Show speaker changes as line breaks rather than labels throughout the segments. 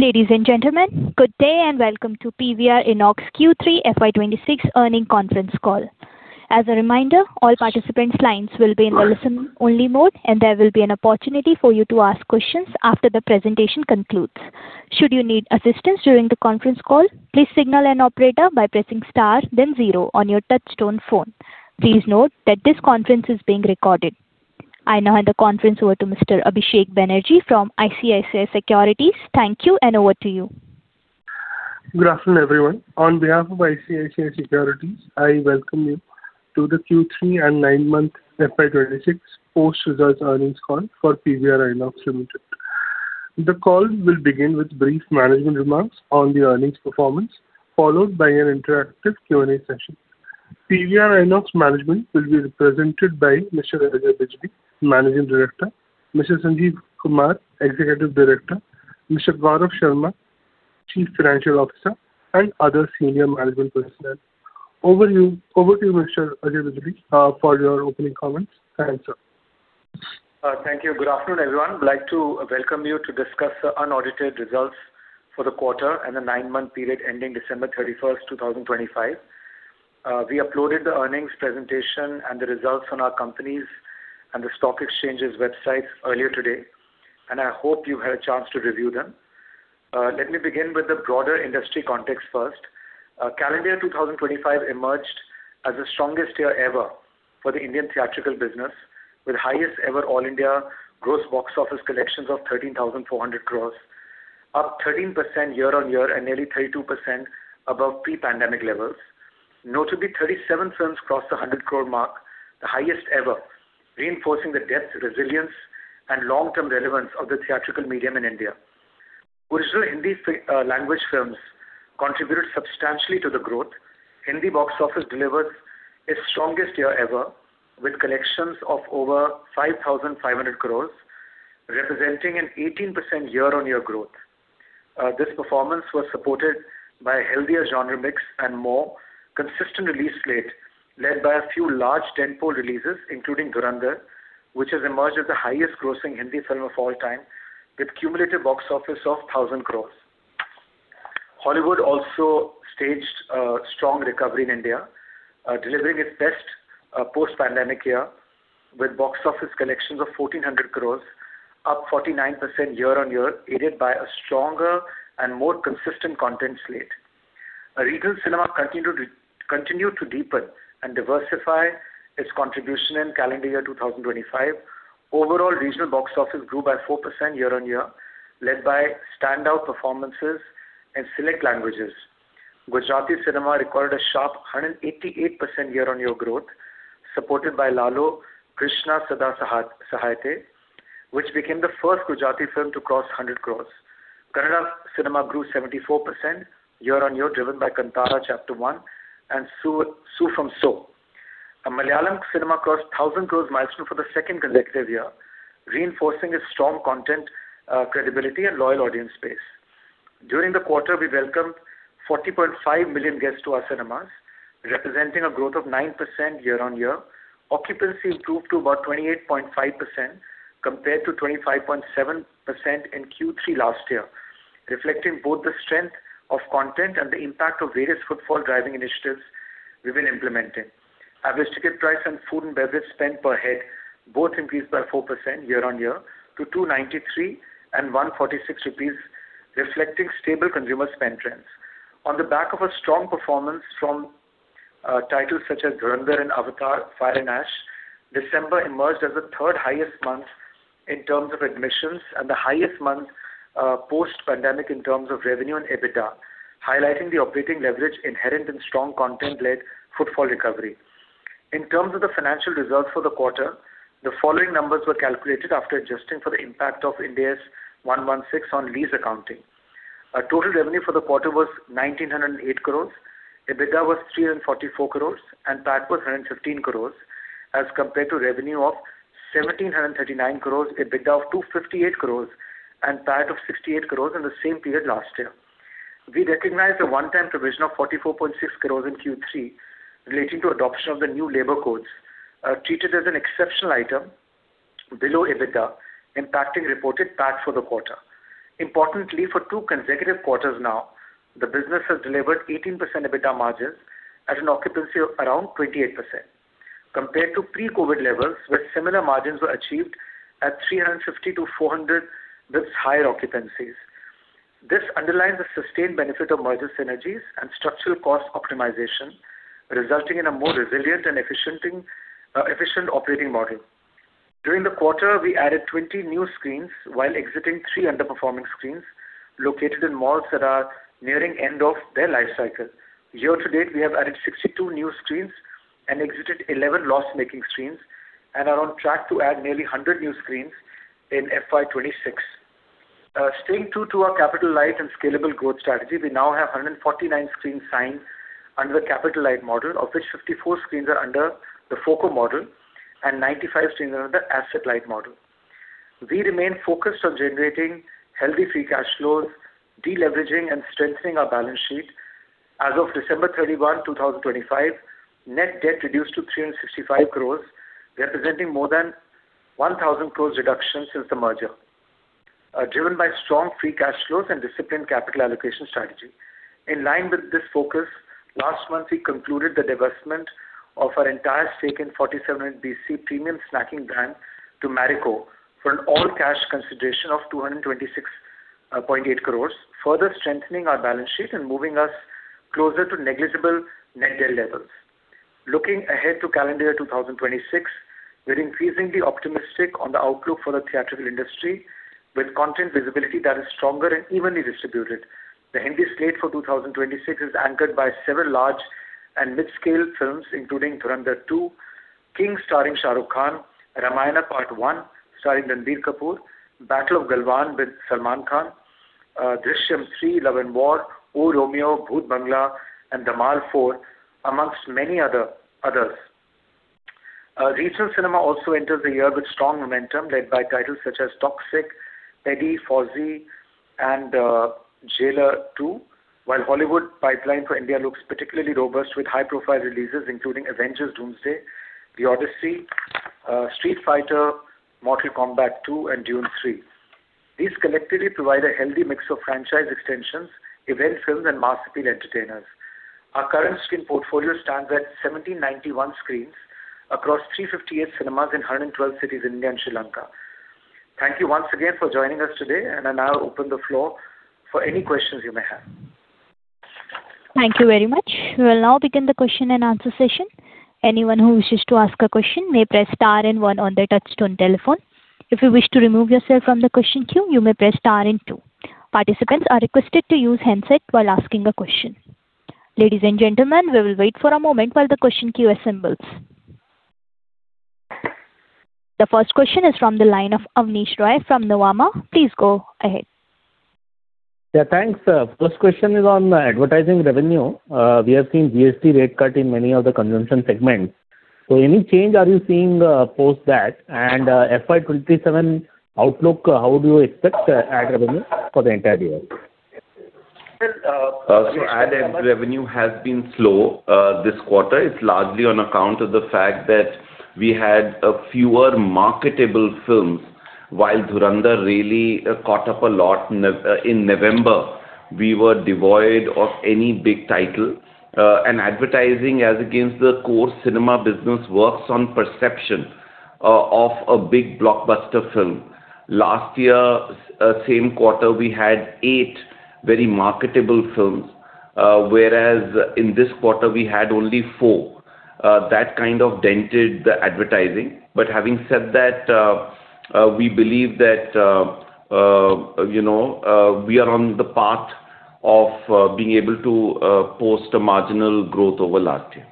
Ladies and gentlemen, good day, and welcome to PVR INOX Q3 FY26 Earnings Conference Call. As a reminder, all participants' lines will be in listen-only mode, and there will be an opportunity for you to ask questions after the presentation concludes. Should you need assistance during the conference call, please signal an operator by pressing star then zero on your touchtone phone. Please note that this conference is being recorded. I now hand the conference over to Mr. Abhishek Banerjee from ICICI Securities. Thank you, and over to you.
Good afternoon, everyone. On behalf of ICICI Securities, I welcome you to the Q3 and nine-month FY26 post-results earnings call for PVR INOX Limited. The call will begin with brief management remarks on the earnings performance, followed by an interactive Q&A session. PVR INOX management will be represented by Mr. Ajay Bijli, Managing Director, Mr. Sanjeev Kumar, Executive Director, Mr. Gaurav Sharma, Chief Financial Officer, and other senior management personnel. Over to you, over to you, Mr. Ajay Bijli, for your opening comments. Thank you, sir.
Thank you. Good afternoon, everyone. I'd like to welcome you to discuss the unaudited results for the quarter and the nine-month period ending December thirty-first, 2025. We uploaded the earnings presentation and the results on our company's and the stock exchange's website earlier today, and I hope you had a chance to review them. Let me begin with the broader industry context first. Calendar 2025 emerged as the strongest year ever for the Indian theatrical business, with highest ever All India gross box office collections of 13,400 crore, up 13% year-on-year and nearly 32% above pre-pandemic levels. Notably, 37 films crossed the 100 crore mark, the highest ever, reinforcing the depth, resilience, and long-term relevance of the theatrical medium in India. Original Hindi language films contributed substantially to the growth. Hindi box office delivered its strongest year ever, with collections of over 5,500 crores, representing an 18% year-on-year growth. This performance was supported by a healthier genre mix and more consistent release slate, led by a few large tentpole releases, including Dhurandhar, which has emerged as the highest grossing Hindi film of all time, with cumulative box office of 1,000 crores. Hollywood also staged a strong recovery in India, delivering its best post-pandemic year with box office collections of 1,400 crores, up 49% year-on-year, aided by a stronger and more consistent content slate. A regional cinema continued to deepen and diversify its contribution in calendar year 2025. Overall, regional box office grew by 4% year-on-year, led by standout performances in select languages. Gujarati cinema recorded a sharp 188% year-on-year growth, supported by Laalo Krishna Sada Sahaayate, which became the first Gujarati film to cross 100 crore. Kannada cinema grew 74% year-on-year, driven by Kantara Chapter 1 and Su From So. A Malayalam cinema crossed 1,000 crore milestone for the second consecutive year, reinforcing its strong content, credibility and loyal audience base. During the quarter, we welcomed 40.5 million guests to our cinemas, representing a growth of 9% year-on-year. Occupancy improved to about 28.5% compared to 25.7% in Q3 last year, reflecting both the strength of content and the impact of various footfall-driving initiatives we've been implementing. Average ticket price and food and beverage spend per head both increased by 4% year-on-year to 293 and 146 rupees, reflecting stable consumer spend trends. On the back of a strong performance from titles such as Dhurandhar and Avatar: Fire and Ash, December emerged as the third highest month in terms of admissions and the highest month post-pandemic in terms of revenue and EBITDA, highlighting the operating leverage inherent in strong content-led footfall recovery. In terms of the financial results for the quarter, the following numbers were calculated after adjusting for the impact of Ind AS 116 on lease accounting. Our total revenue for the quarter was 1,908 crore. EBITDA was 344 crore, and PAT was 115 crore, as compared to revenue of 1,739 crore, EBITDA of 258 crore, and PAT of 68 crore in the same period last year. We recognized a one-time provision of 44.6 crores in Q3 relating to adoption of the new labor codes, treated as an exceptional item below EBITDA, impacting reported PAT for the quarter. Importantly, for two consecutive quarters now, the business has delivered 18% EBITDA margins at an occupancy of around 28%, compared to pre-COVID levels, where similar margins were achieved at 350-400 with higher occupancies. This underlines the sustained benefit of merger synergies and structural cost optimization, resulting in a more resilient and efficient operating model. During the quarter, we added 20 new screens while exiting 3 underperforming screens located in malls that are nearing end of their life cycle. Year to date, we have added 62 new screens and exited 11 loss-making screens and are on track to add nearly 100 new screens in FY 2026. Staying true to our capital light and scalable growth strategy, we now have 149 screens signed under the capital light model, of which 54 screens are under the FOCO model and 95 screens are under the asset-light model. We remain focused on generating healthy free cash flows, deleveraging and strengthening our balance sheet. As of December 31, 2025, net debt reduced to 365 crores, representing more than 1,000 crores reduction since the merger, driven by strong free cash flows and disciplined capital allocation strategy. In line with this focus, last month, we concluded the divestment of our entire stake in 4700BC premium snacking brand to Marico, for an all-cash consideration of 226.8 crores, further strengthening our balance sheet and moving us closer to negligible net debt levels. Looking ahead to calendar 2026, we're increasingly optimistic on the outlook for the theatrical industry, with content visibility that is stronger and evenly distributed. The Hindi slate for 2026 is anchored by several large and mid-scale films, including Dhurandhar 2, King starring Shah Rukh Khan, Ramayana: Part 1 starring Ranbir Kapoor, Battle of Galwan with Salman Khan, Drishyam 3, Love & War, Oh Romeo, Bhoot Bangla, and Dhamaal 4, amongst many others. Regional cinema also enters the year with strong momentum, led by titles such as Toxic, Teddy, Fauji, and Jailer 2. While Hollywood pipeline for India looks particularly robust, with high-profile releases including Avengers: Doomsday, The Odyssey, Street Fighter, Mortal Kombat 2, and Dune 3. These collectively provide a healthy mix of franchise extensions, event films, and mass appeal entertainers. Our current screen portfolio stands at 1,791 screens across 358 cinemas in 112 cities in India and Sri Lanka. Thank you once again for joining us today, and I now open the floor for any questions you may have.
Thank you very much. We will now begin the question and answer session. Anyone who wishes to ask a question may press star and one on their touchtone telephone. If you wish to remove yourself from the question queue, you may press star and two. Participants are requested to use handset while asking a question. Ladies and gentlemen, we will wait for a moment while the question queue assembles. The first question is from the line of Abneesh Roy from Nuvama. Please go ahead.
Yeah, thanks. First question is on the advertising revenue. We have seen GST rate cut in many of the consumption segments. So any change are you seeing post that? And, FY 2027 outlook, how do you expect ad revenue for the entire year?
So ad revenue has been slow this quarter. It's largely on account of the fact that we had a fewer marketable films, while Dhurandhar really caught up a lot. Never in November, we were devoid of any big title. And advertising, as against the core cinema business, works on perception of a big blockbuster film. Last year, same quarter, we had eight very marketable films, whereas in this quarter we had only four. That kind of dented the advertising. But having said that, we believe that, you know, we are on the path of being able to post a marginal growth over last year.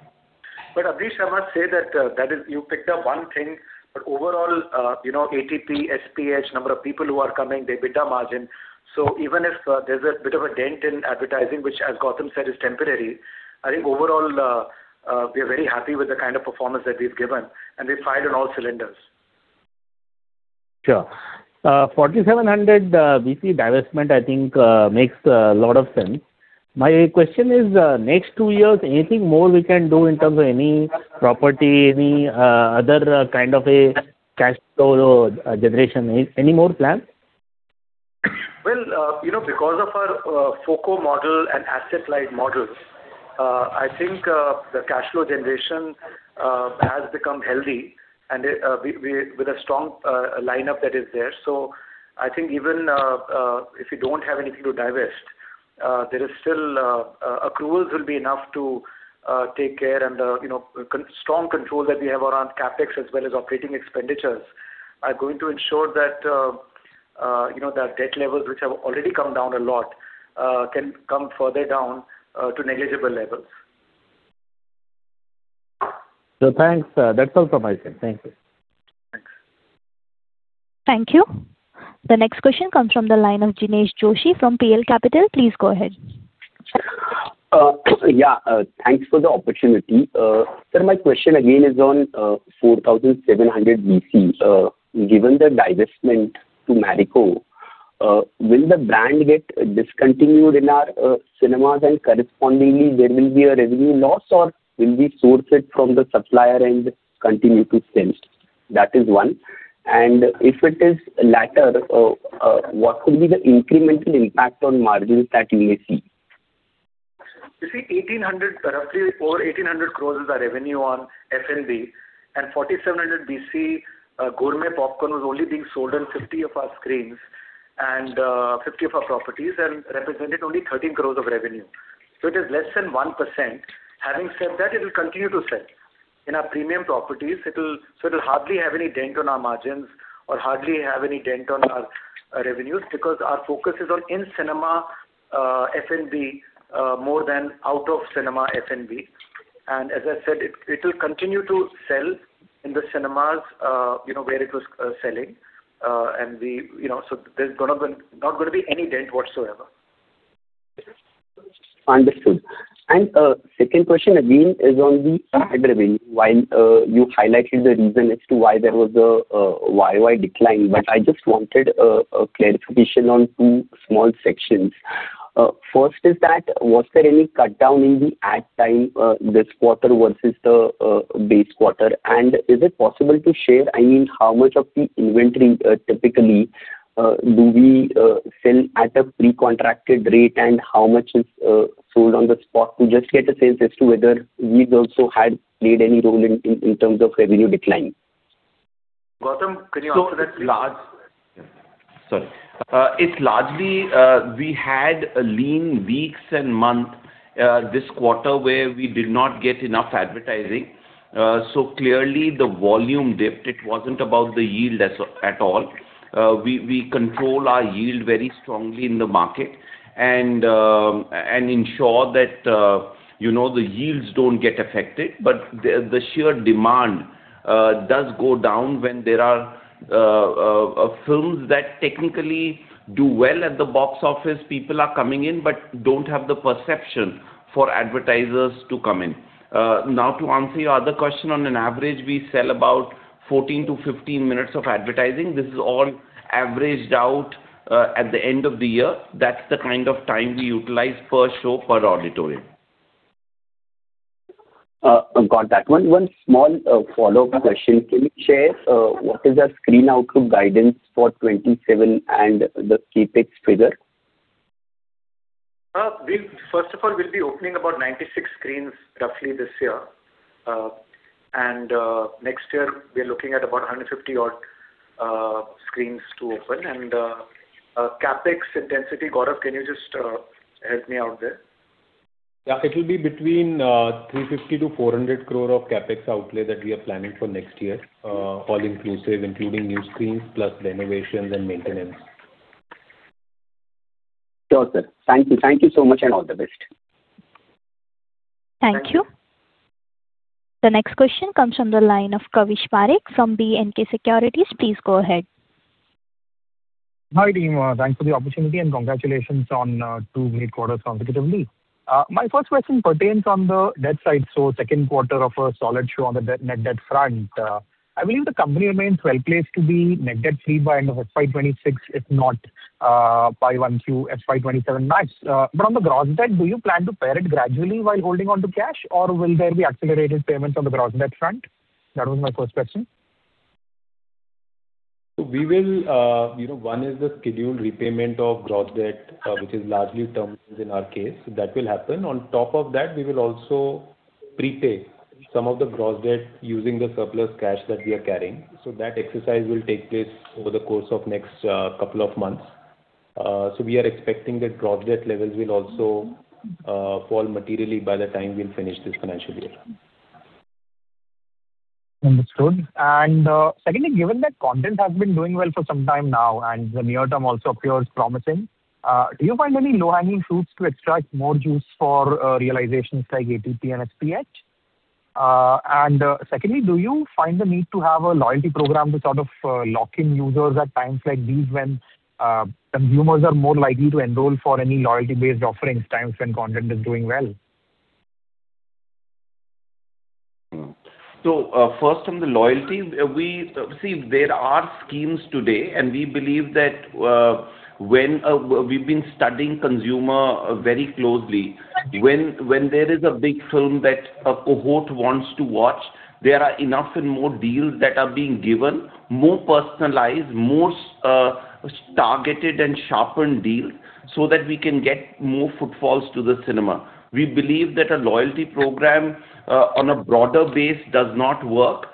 But Avnish, I must say that is... You picked up one thing, but overall, you know, ATP, SPH, number of people who are coming, the EBITDA margin. So even if there's a bit of a dent in advertising, which, as Gautam said, is temporary, I think overall, we are very happy with the kind of performance that we've given, and we've fired on all cylinders.
Sure. 4700BC divestment, I think, makes a lot of sense. My question is, next two years, anything more we can do in terms of any property, any other, kind of a cash flow generation? Any more plans?
Well, you know, because of our FOCO model and asset-light models, I think the cash flow generation has become healthy, and we with a strong lineup that is there. So I think even if you don't have anything to divest, there is still accruals will be enough to take care. And you know strong controls that we have around CapEx as well as operating expenditures are going to ensure that you know the debt levels, which have already come down a lot, can come further down to negligible levels.
Thanks. That's all from my side. Thank you.
Thanks.
Thank you. The next question comes from the line of Jinesh Joshi from PL Capital. Please go ahead.
Yeah, thanks for the opportunity. Sir, my question again is on 4700BC. Given the divestment to Marico, will the brand get discontinued in our cinemas and correspondingly there will be a revenue loss? Or will we source it from the supplier and continue to sell? That is one. And if it is latter, what could be the incremental impact on margins that we may see?
You see, 1,800, roughly 4, 1,800 crore is our revenue on F&B, and 4700BC, gourmet popcorn was only being sold in 50 of our screens and 50 of our properties and represented only 13 crore of revenue. So it is less than 1%. Having said that, it will continue to sell. In our premium properties, it'll so it'll hardly have any dent on our margins or hardly have any dent on our revenues, because our focus is on in-cinema F&B more than out-of-cinema F&B. And as I said, it, it will continue to sell in the cinemas, you know, where it was selling. And we, you know, so there's gonna be not gonna be any dent whatsoever.
Understood. And, second question again, is on the ad revenue. While, you highlighted the reason as to why there was a, YoY decline, but I just wanted a clarification on two small sections. First is that was there any cut down in the ad time, this quarter versus the, base quarter? And is it possible to share, I mean, how much of the inventory, typically, do we, sell at a pre-contracted rate, and how much is, sold on the spot? To just get a sense as to whether we've also had played any role in terms of revenue decline.
Gautam, can you answer that please?
Sorry. It's largely we had a lean weeks and month this quarter where we did not get enough advertising. So clearly the volume dipped. It wasn't about the yield as at all. We control our yield very strongly in the market, and ensure that you know the yields don't get affected. But the sheer demand does go down when there are films that technically do well at the box office. People are coming in, but don't have the perception for advertisers to come in. Now, to answer your other question, on an average, we sell about 14-15 minutes of advertising. This is all averaged out at the end of the year. That's the kind of time we utilize per show, per auditorium.
Got that. One small follow-up question. Can you share what is our screen outlook guidance for 2027 and the CapEx figure?
First of all, we'll be opening about 96 screens roughly this year. Next year we are looking at about 150 odd screens to open. CapEx intensity, Gaurav, can you just help me out there?
Yeah, it will be between 350 crore-400 crore of CapEx outlay that we are planning for next year, all inclusive, including new screens, plus renovations and maintenance.
Sure, sir. Thank you. Thank you so much, and all the best.
Thank you. The next question comes from the line of Kavish Parekh from B&K Securities. Please go ahead.
Hi, team. Thanks for the opportunity, and congratulations on two great quarters consecutively. My first question pertains on the debt side, so second quarter of a solid show on the net debt front. I believe the company remains well placed to be net debt free by end of FY 2026, if not by 1Q, FY 2027 max. But on the gross debt, do you plan to pare it gradually while holding on to cash, or will there be accelerated payments on the gross debt front? That was my first question.
We will, you know, one is the scheduled repayment of gross debt, which is largely term loans in our case. So that will happen. On top of that, we will also prepay some of the gross debt using the surplus cash that we are carrying. So that exercise will take place over the course of next couple of months. So we are expecting that gross debt levels will also fall materially by the time we finish this financial year.
Understood. And, secondly, given that content has been doing well for some time now, and the near term also appears promising, do you find any low-hanging fruits to extract more juice for realizations like ATP and SPH? And secondly, do you find the need to have a loyalty program to sort of lock in users at times like these, when consumers are more likely to enroll for any loyalty-based offerings, times when content is doing well?
So, first, on the loyalty, we see, there are schemes today, and we believe that, when... We've been studying consumer very closely. When there is a big film that a cohort wants to watch, there are enough and more deals that are being given, more personalized, more targeted and sharpened deals, so that we can get more footfalls to the cinema. We believe that a loyalty program on a broader base does not work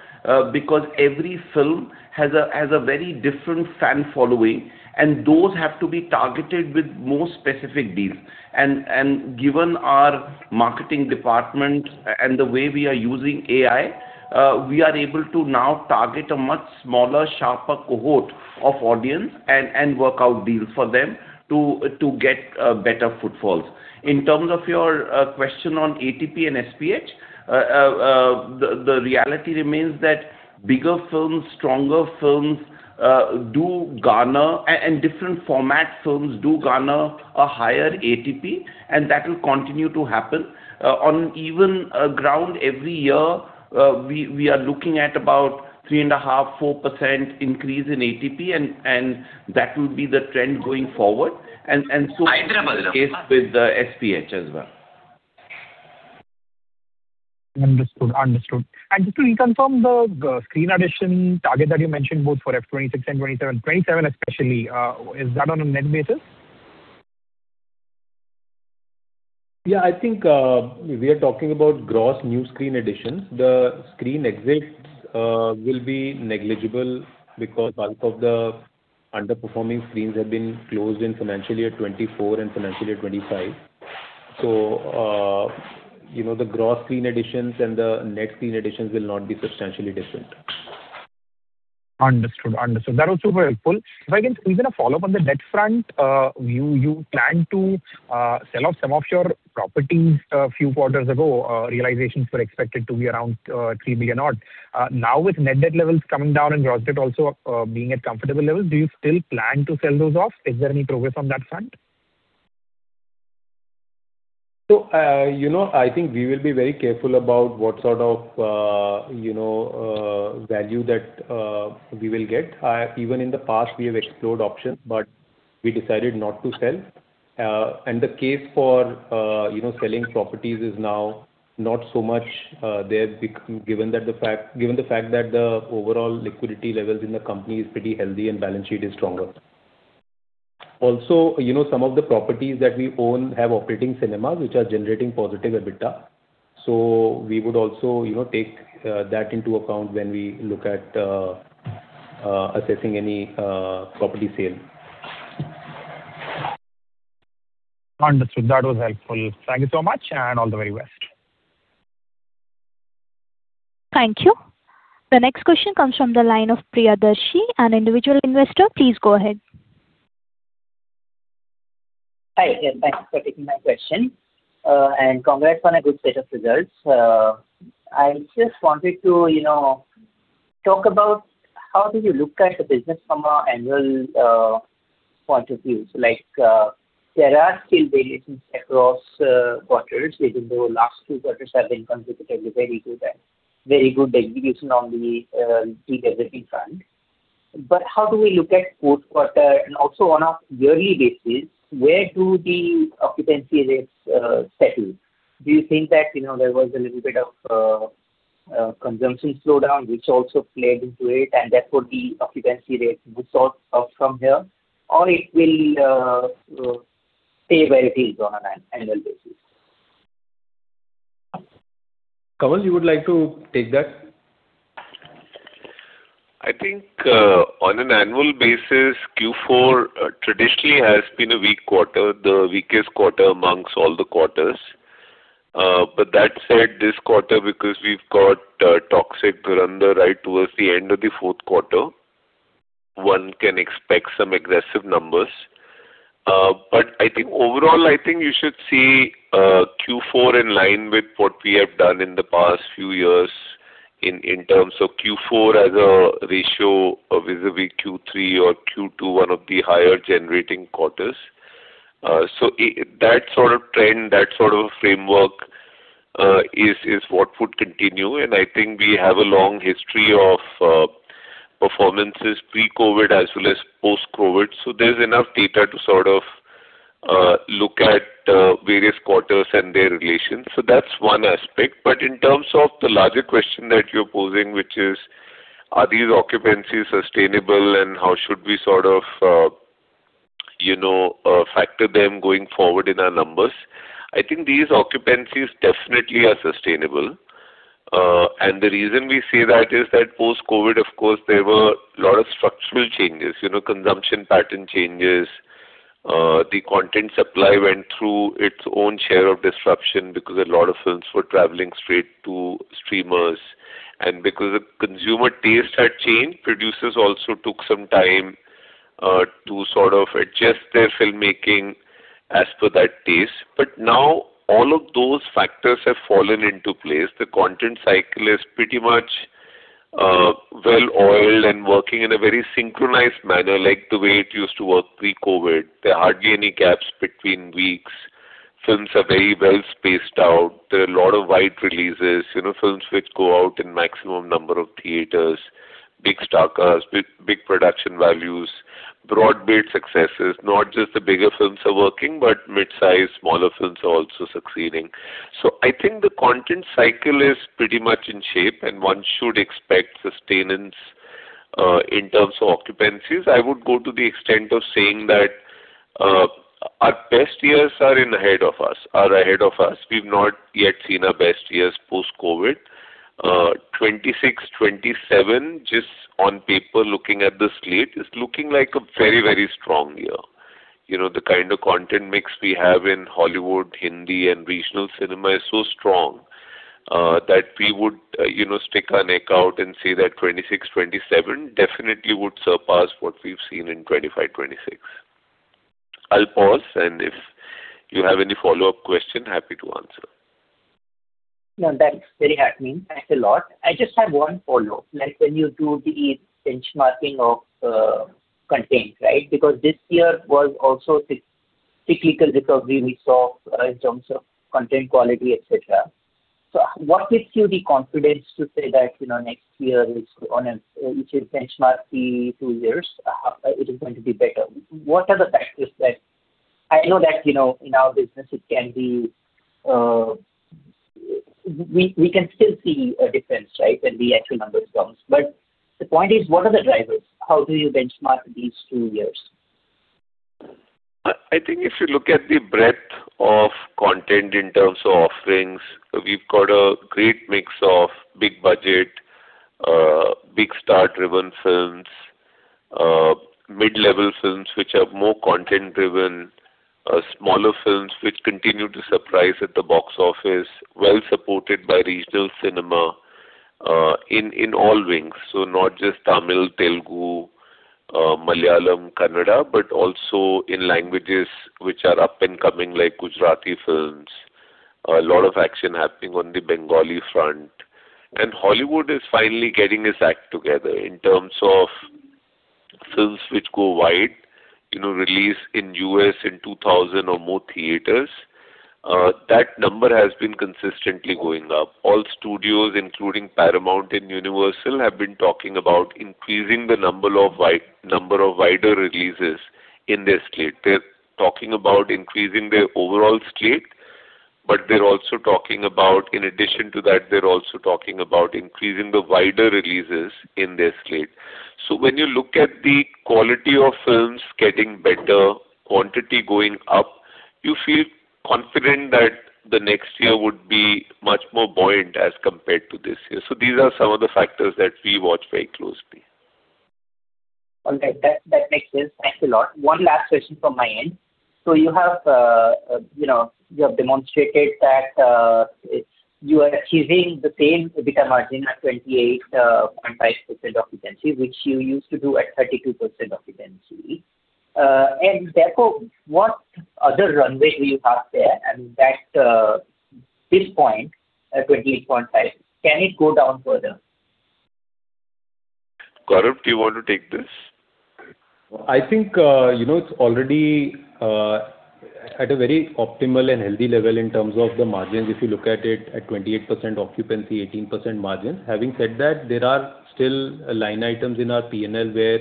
because every film has a very different fan following, and those have to be targeted with more specific deals. And given our marketing department and the way we are using AI, we are able to now target a much smaller, sharper cohort of audience and work out deals for them to get better footfalls. In terms of your question on ATP and SPH, the reality remains that bigger films, stronger films do garner and different format films do garner a higher ATP, and that will continue to happen. On even a ground every year, we are looking at about 3.5%-4% increase in ATP and that will be the trend going forward. And so-
Hyderabad
with the SPH as well.
Understood. Understood. Just to reconfirm the screen addition target that you mentioned, both for FY 26 and 27, 27 especially, is that on a net basis?
Yeah, I think, we are talking about gross new screen additions. The screen exits will be negligible because bulk of the underperforming screens have been closed in financial year 2024 and financial year 2025. So, you know, the gross screen additions and the net screen additions will not be substantially different.
Understood. Understood. That was super helpful. If I can squeeze in a follow-up on the net front, you, you planned to sell off some of your properties a few quarters ago. Realizations were expected to be around 3 billion odd. Now with net debt levels coming down and gross debt also being at comfortable levels, do you still plan to sell those off? Is there any progress on that front?
So, you know, I think we will be very careful about what sort of, you know, value that we will get. Even in the past, we have explored options, but we decided not to sell. And the case for, you know, selling properties is now not so much there, given the fact that the overall liquidity levels in the company is pretty healthy and balance sheet is stronger. Also, you know, some of the properties that we own have operating cinemas, which are generating positive EBITDA. So we would also, you know, take that into account when we look at assessing any property sale.
Understood. That was helpful. Thank you so much, and all the very best.
Thank you. The next question comes from the line of Priyadarshi, an individual investor. Please go ahead.
Hi, yeah, thanks for taking my question. And congrats on a good set of results. I just wanted to, you know, talk about how do you look at the business from a annual point of view? Like, there are still variations across quarters, even though last two quarters have been considerably very good and very good execution on the pre-development front. But how do we look at fourth quarter? And also on a yearly basis, where do the occupancy rates settle? Do you think that, you know, there was a little bit of consumption slowdown, which also played into it, and therefore, the occupancy rates would sort up from here, or it will stay where it is on an annual basis?
Kamal, you would like to take that?
I think on an annual basis, Q4 traditionally has been a weak quarter, the weakest quarter amongst all the quarters. But that said, this quarter, because we've got Toxic running right towards the end of the fourth quarter, one can expect some aggressive numbers. But I think overall, I think you should see Q4 in line with what we have done in the past few years in terms of Q4 as a ratio vis-à-vis Q3 or Q2, one of the higher generating quarters. So that sort of trend, that sort of framework is what would continue, and I think we have a long history of performances pre-COVID as well as post-COVID. So there's enough data to sort of look at various quarters and their relations. So that's one aspect. But in terms of the larger question that you're posing, which is: Are these occupancies sustainable, and how should we sort of, you know, factor them going forward in our numbers? I think these occupancies definitely are sustainable. And the reason we say that is that post-COVID, of course, there were a lot of structural changes, you know, consumption pattern changes. The content supply went through its own share of disruption because a lot of films were traveling straight to streamers. And because the consumer taste had changed, producers also took some time, to sort of adjust their filmmaking as per that taste. But now all of those factors have fallen into place. The content cycle is pretty much, well-oiled and working in a very synchronized manner, like the way it used to work pre-COVID. There are hardly any gaps between weeks. Films are very well spaced out. There are a lot of wide releases, you know, films which go out in maximum number of theaters, big star cast, big, big production values, broad-based successes. Not just the bigger films are working, but mid-size, smaller films are also succeeding. So I think the content cycle is pretty much in shape, and one should expect sustenance in terms of occupancies. I would go to the extent of saying that our best years are in ahead of us, are ahead of us. We've not yet seen our best years post-COVID. 2026, 2027, just on paper, looking at the slate, is looking like a very, very strong year. You know, the kind of content mix we have in Hollywood, Hindi and regional cinema is so strong, that we would, you know, stick our neck out and say that 2026, 2027 definitely would surpass what we've seen in 2025, 2026. I'll pause, and if you have any follow-up question, happy to answer.
No, that's very heartening. Thanks a lot. I just have one follow-up. Like, when you do the benchmarking of content, right? Because this year was also cyclical, because we saw in terms of content quality, et cetera. So what gives you the confidence to say that, you know, next year is on a... If you benchmark the two years, it is going to be better. What are the factors that... I know that, you know, in our business, it can be, we can still see a difference, right? When the actual numbers comes. But the point is, what are the drivers? How do you benchmark these two years?
I think if you look at the breadth of content in terms of offerings, we've got a great mix of big budget, big star-driven films, mid-level films, which are more content driven, smaller films, which continue to surprise at the box office, well supported by regional cinema, in all wings. So not just Tamil, Telugu, Malayalam, Kannada, but also in languages which are up and coming, like Gujarati films. A lot of action happening on the Bengali front. And Hollywood is finally getting its act together in terms of films which go wide, you know, release in U.S. in 2000 or more theaters, that number has been consistently going up. All studios, including Paramount and Universal, have been talking about increasing the number of wide, number of wider releases in their slate. They're talking about increasing their overall slate, but they're also talking about, in addition to that, they're also talking about increasing the wider releases in their slate. So when you look at the quality of films getting better, quantity going up, you feel confident that the next year would be much more buoyant as compared to this year. So these are some of the factors that we watch very closely.
Okay, that makes sense. Thanks a lot. One last question from my end. So you have, you know, you have demonstrated that it's you are achieving the same EBITDA margin at 28.5% occupancy, which you used to do at 32% occupancy. And therefore, what other runway do you have there? And that this point, at 28.5, can it go down further?
Gaurav, do you want to take this?
I think, you know, it's already at a very optimal and healthy level in terms of the margins, if you look at it at 28% occupancy, 18% margin. Having said that, there are still line items in our P&L where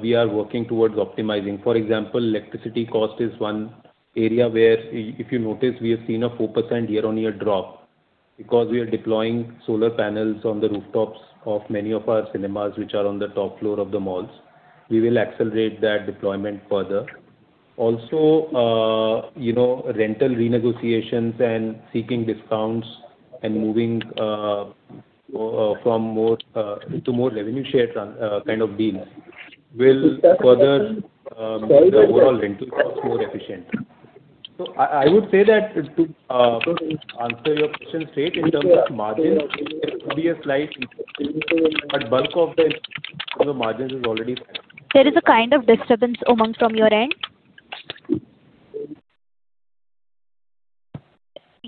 we are working towards optimizing. For example, electricity cost is one area where if you notice, we have seen a 4% year-on-year drop because we are deploying solar panels on the rooftops of many of our cinemas, which are on the top floor of the malls. We will accelerate that deployment further. Also, you know, rental renegotiations and seeking discounts and moving from more to more revenue share trans- kind of deals will further the overall rental costs more efficient. So I, I would say that to answer your question straight, in terms of margins, there could be a slight, but bulk of this, the margins is already-
There is a kind of disturbance, Umang, from your end.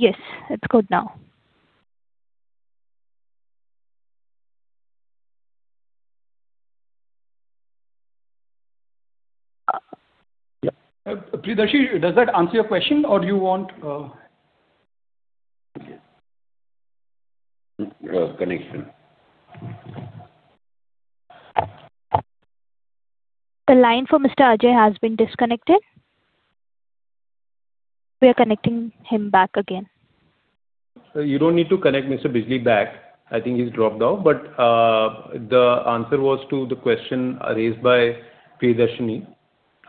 Yes, it's good now.
Yeah. Priyadarshi, does that answer your question, or do you want...?
Uh, connection.
The line for Mr. Ajay has been disconnected. We are connecting him back again.
You don't need to connect Mr. Bijli back. I think he's dropped out. But, the answer was to the question raised by Priyadarshi.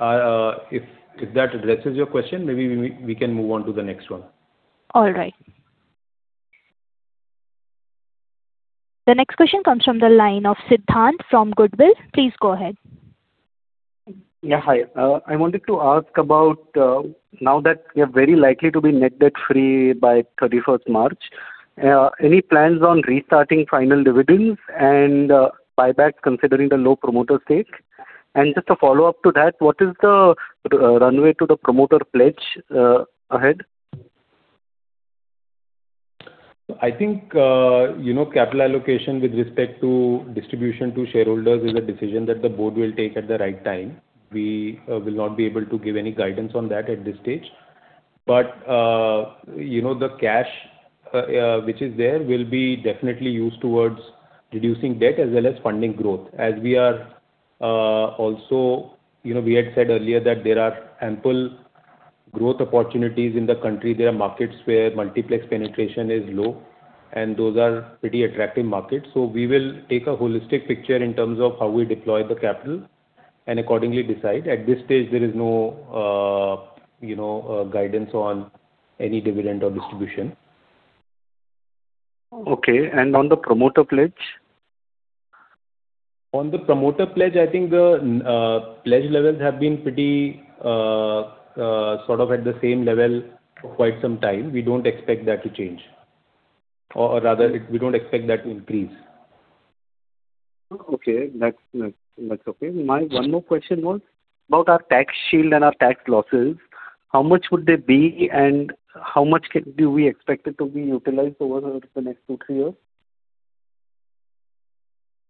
If that addresses your question, maybe we can move on to the next one.
All right. The next question comes from the line of Siddhant from Goodwill. Please go ahead.
Yeah, hi. I wanted to ask about, now that you're very likely to be net debt free by thirty-first March, any plans on restarting final dividends and, buybacks, considering the low promoter stake? And just a follow-up to that, what is the runway to the promoter pledge, ahead?
I think, you know, capital allocation with respect to distribution to shareholders is a decision that the board will take at the right time. We will not be able to give any guidance on that at this stage. But, you know, the cash which is there will be definitely used towards reducing debt as well as funding growth. As we are also... You know, we had said earlier that there are ample growth opportunities in the country. There are markets where multiplex penetration is low, and those are pretty attractive markets. So we will take a holistic picture in terms of how we deploy the capital and accordingly decide. At this stage, there is no, you know, guidance on any dividend or distribution.
Okay, and on the promoter pledge?
On the promoter pledge, I think the pledge levels have been pretty, sort of at the same level for quite some time. We don't expect that to change, or rather, we don't expect that to increase.
Okay, that's okay. My one more question was about our tax shield and our tax losses. How much would they be, and how much do we expect it to be utilized over the next two-three years?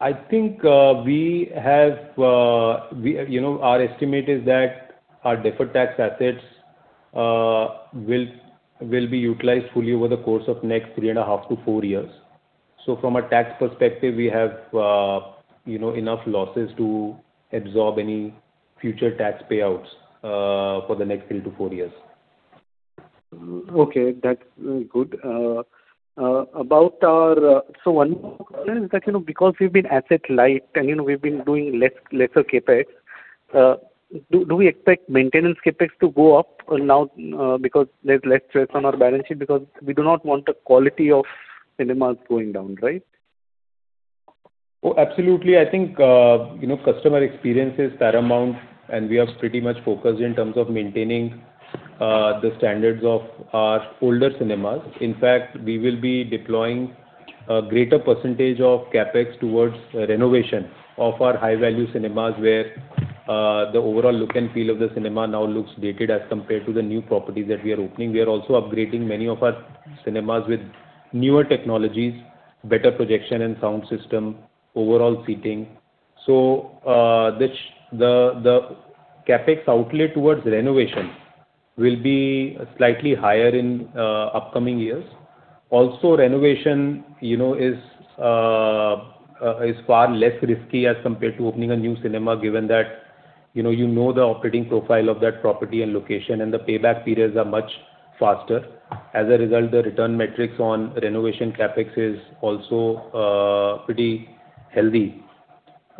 I think, we have, you know, our estimate is that our deferred tax assets will be utilized fully over the course of next 3.5-4 years. So from a tax perspective, we have, you know, enough losses to absorb any future tax payouts, for the next 3-4 years.
Okay. That's good. So one more question is that, you know, because we've been asset-light and, you know, we've been doing less, lesser CapEx, do we expect maintenance CapEx to go up now, because there's less stress on our balance sheet? Because we do not want the quality of cinemas going down, right?
Oh, absolutely. I think, you know, customer experience is paramount, and we are pretty much focused in terms of maintaining the standards of our older cinemas. In fact, we will be deploying a greater percentage of CapEx towards renovation of our high-value cinemas, where-... the overall look and feel of the cinema now looks dated as compared to the new properties that we are opening. We are also upgrading many of our cinemas with newer technologies, better projection and sound system, overall seating. So, the CapEx outlay towards renovation will be slightly higher in upcoming years. Also, renovation, you know, is far less risky as compared to opening a new cinema, given that, you know, you know the operating profile of that property and location, and the payback periods are much faster. As a result, the return metrics on renovation CapEx is also pretty healthy.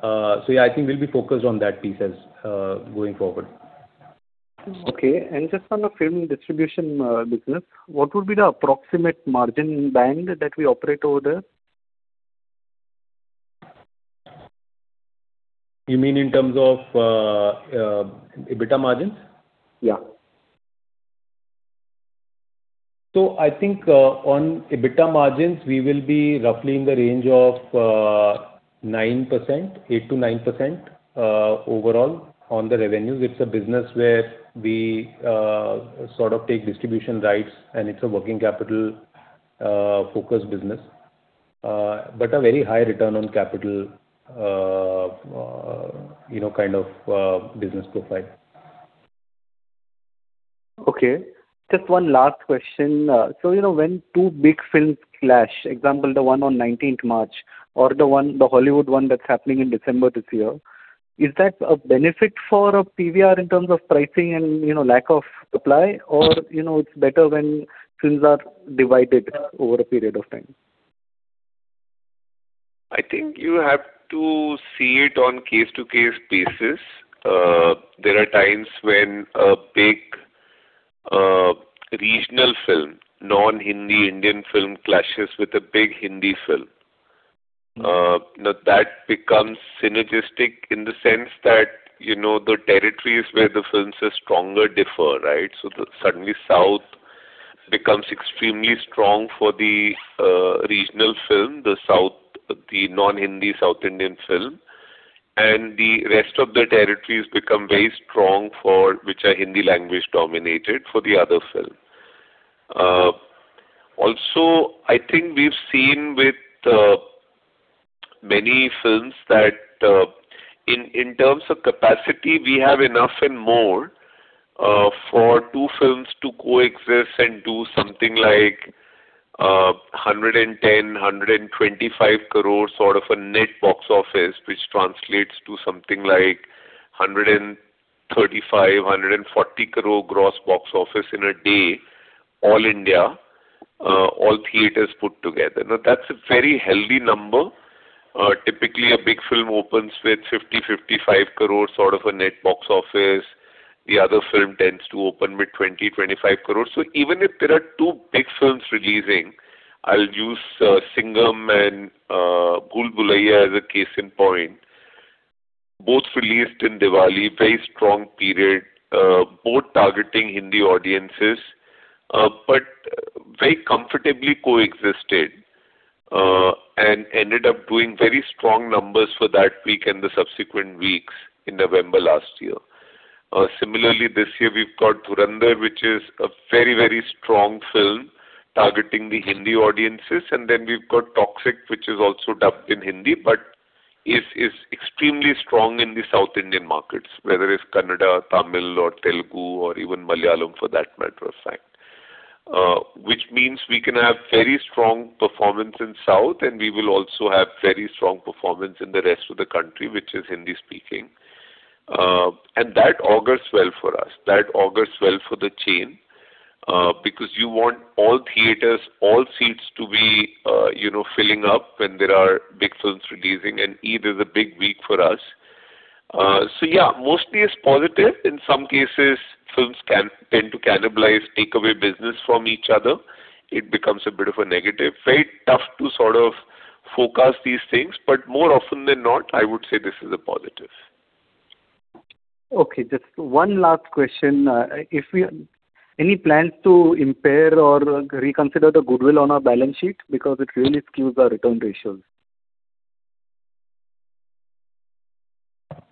So yeah, I think we'll be focused on that piece as going forward.
Okay. Just on the film distribution business, what would be the approximate margin band that we operate over there?
You mean in terms of EBITDA margins?
Yeah.
So I think, on EBITDA margins, we will be roughly in the range of, 9%, 8%-9%, overall on the revenues. It's a business where we sort of take distribution rights, and it's a working capital focused business, but a very high return on capital, you know, kind of business profile.
Okay. Just one last question. So you know, when two big films clash, example, the one on 19th March or the one, the Hollywood one that's happening in December this year, is that a benefit for PVR in terms of pricing and, you know, lack of supply? Or, you know, it's better when films are divided over a period of time.
I think you have to see it on case-to-case basis. There are times when a big regional film, non-Hindi Indian film, clashes with a big Hindi film. Now, that becomes synergistic in the sense that, you know, the territories where the films are stronger differ, right? So the suddenly South becomes extremely strong for the regional film, the South, the non-Hindi South Indian film, and the rest of the territories become very strong for which are Hindi language dominated for the other film. Also, I think we've seen with many films that in terms of capacity, we have enough and more for two films to coexist and do something like 110-125 crore net box office, which translates to something like 135-140 crore gross box office in a day, all India, all theaters put together. Now, that's a very healthy number. Typically a big film opens with 50-55 crore net box office. The other film tends to open with 20-25 crore. So even if there are two big films releasing, I'll use Singham and Bhool Bhulaiya as a case in point. Both released in Diwali, very strong period, both targeting Hindi audiences, but very comfortably coexisted, and ended up doing very strong numbers for that week and the subsequent weeks in November last year. Similarly, this year, we've got Dhurandhar, which is a very, very strong film targeting the Hindi audiences. And then we've got Toxic, which is also dubbed in Hindi, but is extremely strong in the South Indian markets, whether it's Kannada, Tamil or Telugu, or even Malayalam, for that matter of fact. Which means we can have very strong performance in South, and we will also have very strong performance in the rest of the country, which is Hindi speaking. And that augurs well for us. That augurs well for the team, because you want all theaters, all seats to be, you know, filling up when there are big films releasing, and Eid is a big week for us. So yeah, mostly it's positive. In some cases, films can tend to cannibalize, take away business from each other. It becomes a bit of a negative. Very tough to sort of forecast these things, but more often than not, I would say this is a positive.
Okay, just one last question. Any plans to impair or reconsider the goodwill on our balance sheet? Because it really skews our return ratios.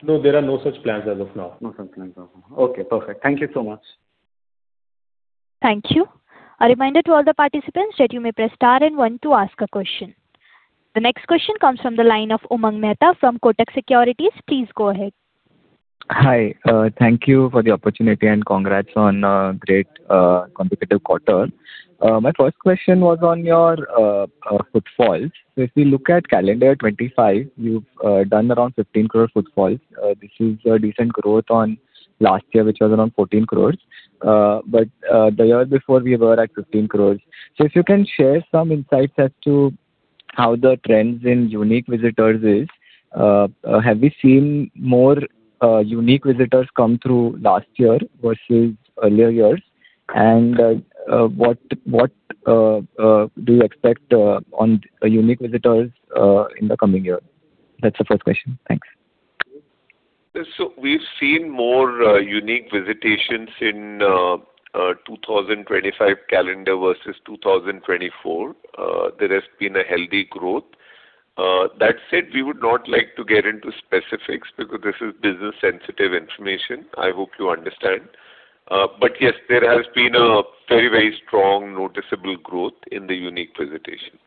No, there are no such plans as of now.
No such plans. Okay, perfect. Thank you so much.
Thank you. A reminder to all the participants that you may press star and one to ask a question. The next question comes from the line of Umang Mehta from Kotak Securities. Please go ahead.
Hi, thank you for the opportunity, and congrats on a great competitive quarter. My first question was on your footfalls. If we look at calendar 2025, you've done around 15 crore footfalls. This is a decent growth on last year, which was around 14 crores. But the year before, we were at 15 crores. So if you can share some insights as to how the trends in unique visitors is. Have we seen more unique visitors come through last year versus earlier years? And what do you expect on unique visitors in the coming year? That's the first question. Thanks.
So we've seen more unique visitations in 2025 calendar versus 2024. There has been a healthy growth.... That said, we would not like to get into specifics because this is business sensitive information. I hope you understand. But yes, there has been a very, very strong noticeable growth in the unique visitations.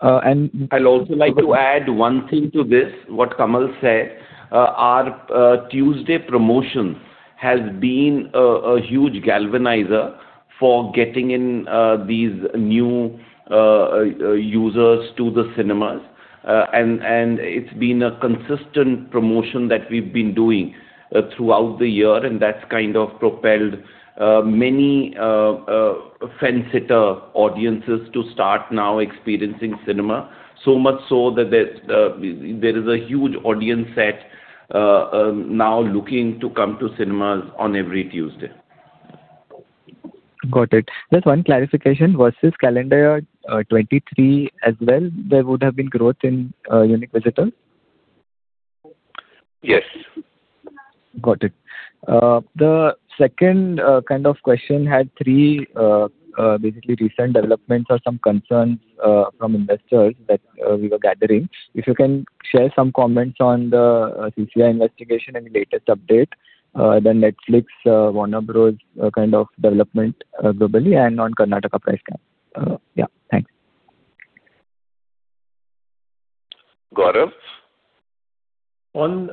Uh, and-
I'd also like to add one thing to this, what Kamal said. Our Tuesday promotion has been a huge galvanizer for getting in these new users to the cinemas. And it's been a consistent promotion that we've been doing throughout the year, and that's kind of propelled many fence sitter audiences to start now experiencing cinema. So much so that there is a huge audience set now looking to come to cinemas on every Tuesday.
Got it. Just one clarification, versus calendar year 2023 as well, there would have been growth in unique visitors?
Yes.
Got it. The second kind of question had three basically recent developments or some concerns from investors that we were gathering. If you can share some comments on the CCI investigation and the latest update, the Netflix Warner Bros. kind of development globally and on Karnataka price cap. Yeah, thanks.
Gaurav?
On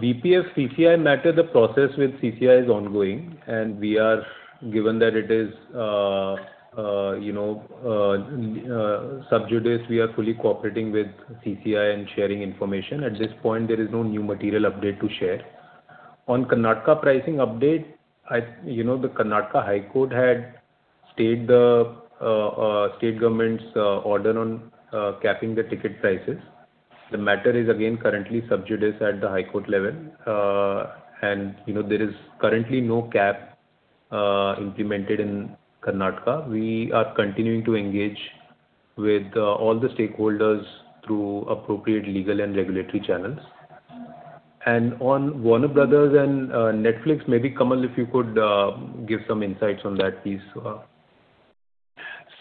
VPF CCI matter, the process with CCI is ongoing, and we are... Given that it is, you know, subjudice, we are fully cooperating with CCI and sharing information. At this point, there is no new material update to share. On Karnataka pricing update, you know, the Karnataka High Court had stayed the state government's order on capping the ticket prices. The matter is again currently subjudice at the High Court level. And, you know, there is currently no cap implemented in Karnataka. We are continuing to engage with all the stakeholders through appropriate legal and regulatory channels. And on Warner Bros. and Netflix, maybe, Kamal, if you could give some insights on that, please.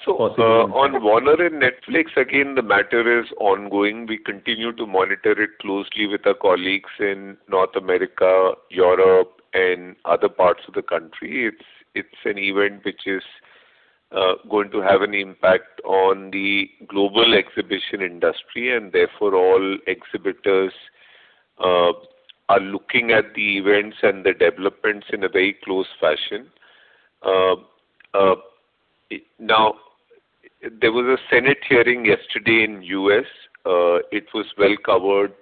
On Warner and Netflix, again, the matter is ongoing. We continue to monitor it closely with our colleagues in North America, Europe, and other parts of the country. It's an event which is going to have an impact on the global exhibition industry, and therefore, all exhibitors are looking at the events and the developments in a very close fashion. Now, there was a Senate hearing yesterday in U.S. It was well covered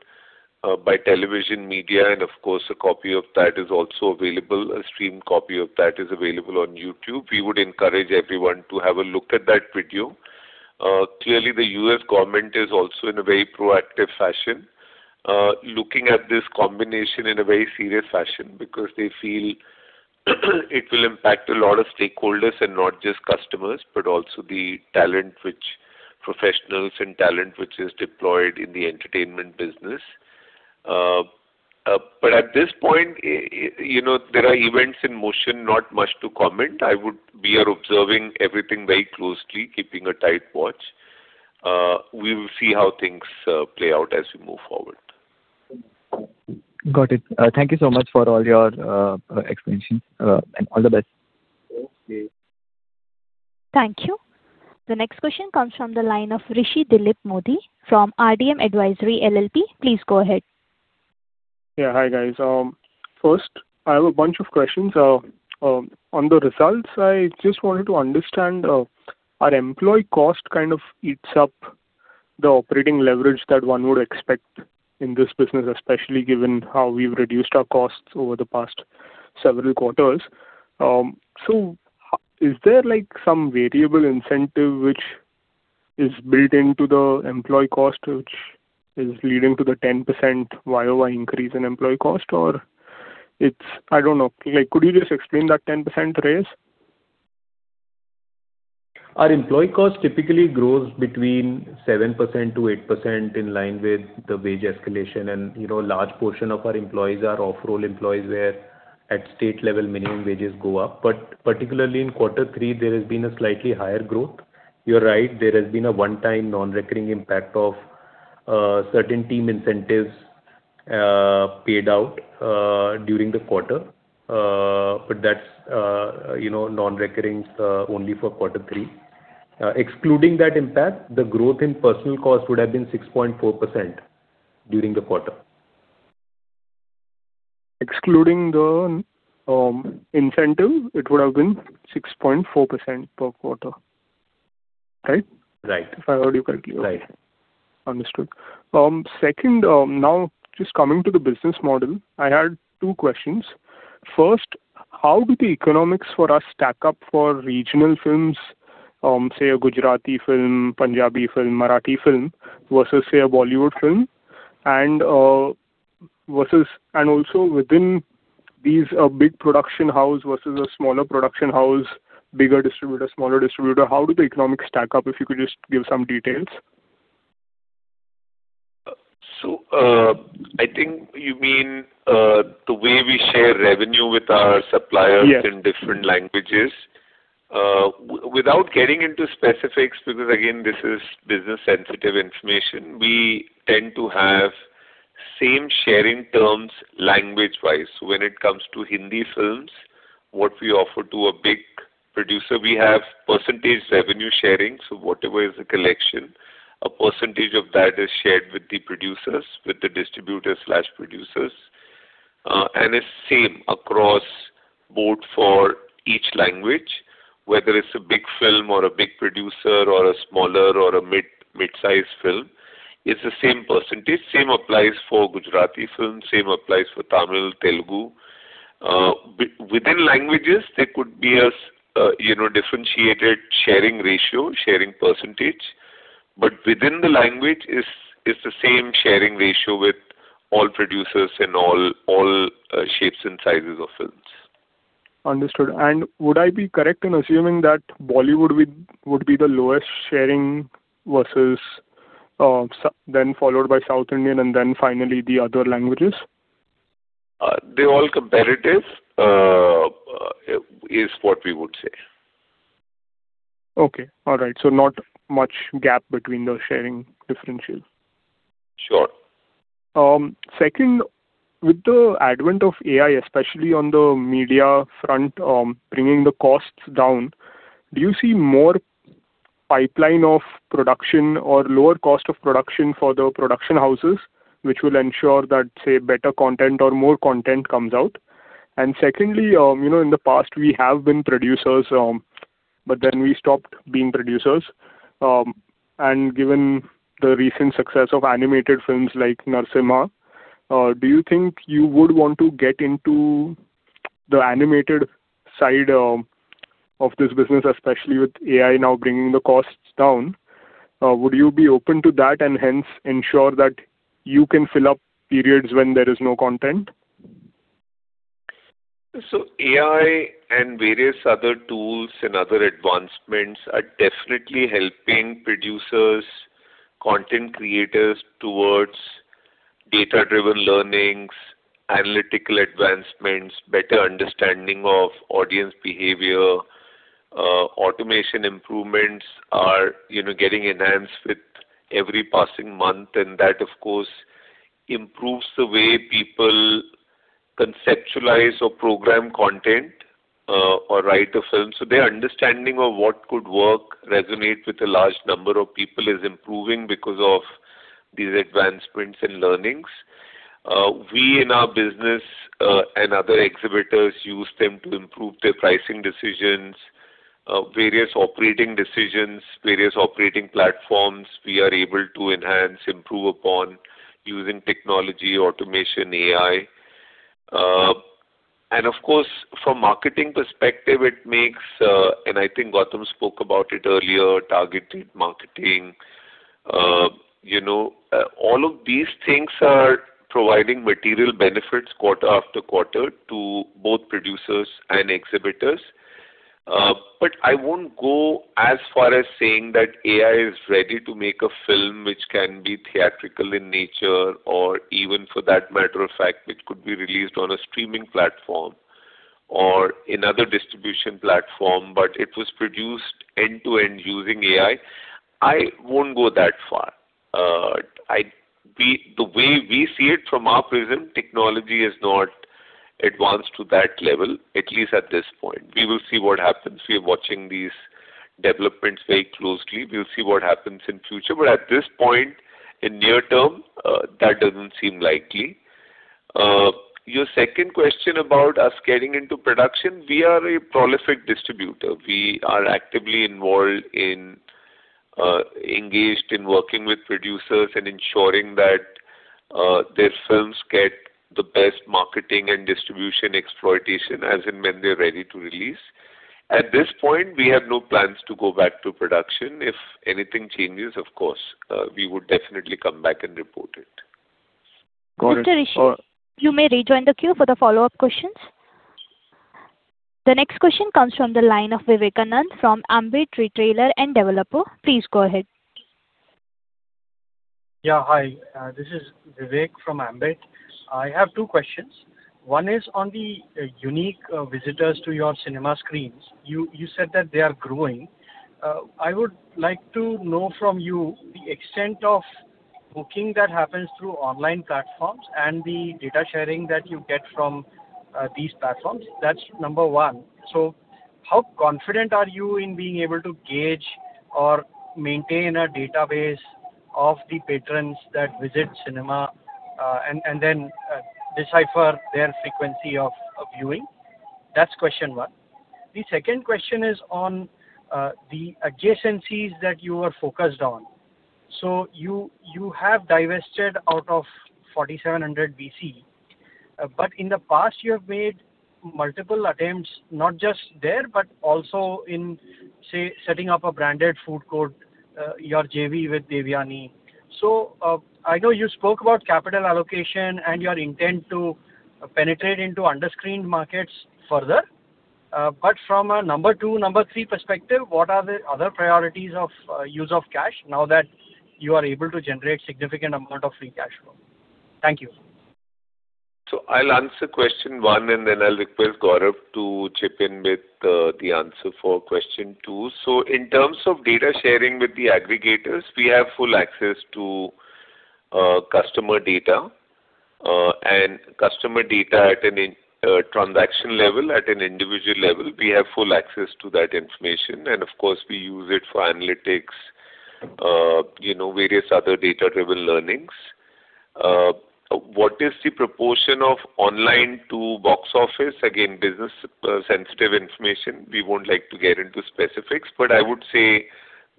by television media, and of course, a copy of that is also available. A stream copy of that is available on YouTube. We would encourage everyone to have a look at that video. Clearly, the U.S. government is also in a very proactive fashion, looking at this combination in a very serious fashion because they feel it will impact a lot of stakeholders and not just customers, but also the talent, which professionals and talent, which is deployed in the entertainment business. But at this point, you know, there are events in motion, not much to comment. We are observing everything very closely, keeping a tight watch. We will see how things play out as we move forward.
Got it. Thank you so much for all your explanation, and all the best.
Okay.
Thank you. The next question comes from the line of Rishi Dilip Mody from RDM Advisory LLP. Please go ahead.
Yeah. Hi, guys. First, I have a bunch of questions. On the results, I just wanted to understand our employee cost kind of eats up the operating leverage that one would expect in this business, especially given how we've reduced our costs over the past several quarters. So is there, like, some variable incentive which is built into the employee cost, which is leading to the 10% YOY increase in employee cost? Or it's... I don't know. Like, could you just explain that 10% raise?
Our employee cost typically grows between 7%-8% in line with the wage escalation, and, you know, a large portion of our employees are off-role employees, where at state level, minimum wages go up. But particularly in quarter three, there has been a slightly higher growth. You're right, there has been a one-time non-recurring impact of certain team incentives paid out during the quarter. But that's, you know, non-recurring only for quarter three. Excluding that impact, the growth in personnel cost would have been 6.4% during the quarter.
Excluding the incentive, it would have been 6.4% per quarter. Right?
Right.
If I heard you correctly.
Right.
Understood. Second, now just coming to the business model, I had two questions. First, how do the economics for us stack up for regional films, say a Gujarati film, Punjabi film, Marathi film, versus, say, a Bollywood film? And also within these, a big production house versus a smaller production house, bigger distributor, smaller distributor, how do the economics stack up? If you could just give some details....
I think you mean, the way we share revenue with our suppliers-
Yes.
in different languages? Without getting into specifics, because again, this is business sensitive information, we tend to have same sharing terms, language-wise. When it comes to Hindi films, what we offer to a big producer, we have percentage revenue sharing. So whatever is the collection, a percentage of that is shared with the producers, with the distributors/producers. And it's same across board for each language, whether it's a big film or a big producer or a smaller or a mid-sized film, it's the same percentage. Same applies for Gujarati films, same applies for Tamil, Telugu. Within languages, there could be a, you know, differentiated sharing ratio, sharing percentage, but within the language, it's the same sharing ratio with all producers in all shapes and sizes of films.
Understood. Would I be correct in assuming that Bollywood would be the lowest sharing versus South Indian, then followed by the other languages?
They're all competitive, is what we would say.
Okay. All right. So not much gap between the sharing differentials?
Sure.
Second, with the advent of AI, especially on the media front, bringing the costs down, do you see more pipeline of production or lower cost of production for the production houses, which will ensure that, say, better content or more content comes out? And secondly, you know, in the past we have been producers, but then we stopped being producers. And given the recent success of animated films like Narsimha, do you think you would want to get into the animated side, of this business, especially with AI now bringing the costs down? Would you be open to that and hence ensure that you can fill up periods when there is no content?
So AI and various other tools and other advancements are definitely helping producers, content creators towards data-driven learnings, analytical advancements, better understanding of audience behavior. Automation improvements are, you know, getting enhanced with every passing month, and that, of course, improves the way people conceptualize or program content, or write a film. So their understanding of what could work, resonate with a large number of people, is improving because of these advancements and learnings. We in our business, and other exhibitors use them to improve their pricing decisions, various operating decisions, various operating platforms, we are able to enhance, improve upon using technology, automation, AI. And of course, from marketing perspective, it makes, and I think Gautam spoke about it earlier, targeted marketing. You know, all of these things are providing material benefits quarter after quarter to both producers and exhibitors. But I won't go as far as saying that AI is ready to make a film which can be theatrical in nature, or even for that matter of fact, which could be released on a streaming platform or another distribution platform, but it was produced end-to-end using AI. I won't go that far. The way we see it from our prism, technology has not advanced to that level, at least at this point. We will see what happens. We are watching these developments very closely. We'll see what happens in future. But at this point, in near term, that doesn't seem likely. Your second question about us getting into production, we are a prolific distributor. We are actively involved in, engaged in working with producers and ensuring that, their films get the best marketing and distribution exploitation as and when they're ready to release. At this point, we have no plans to go back to production. If anything changes, of course, we would definitely come back and report it.
Mr. Rishi, you may rejoin the queue for the follow-up questions. The next question comes from the line of Vivekananda from Ambit Capital. Please go ahead.
Yeah, hi, this is Vivekanand from Ambit Capital. I have two questions. One is on the unique visitors to your cinema screens. You said that they are growing. I would like to know from you the extent of booking that happens through online platforms and the data sharing that you get from these platforms. That's number one. So how confident are you in being able to gauge or maintain a database of the patrons that visit cinema and then decipher their frequency of viewing? That's question one. The second question is on the adjacencies that you are focused on. So you have divested out of 4700BC, but in the past you have made multiple attempts, not just there, but also in, say, setting up a branded food court, your JV with Devyani. I know you spoke about capital allocation and your intent to penetrate into under-screened markets further, but from a number 2, number 3 perspective, what are the other priorities of use of cash now that you are able to generate significant amount of free cash flow? Thank you.
So I'll answer question one, and then I'll request Gaurav to chip in with the answer for question two. So in terms of data sharing with the aggregators, we have full access to customer data, and customer data at a transaction level, at an individual level. We have full access to that information, and of course, we use it for analytics, you know, various other data-driven learnings. What is the proportion of online to box office? Again, business sensitive information, we won't like to get into specifics, but I would say